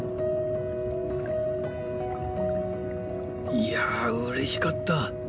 いやうれしかった。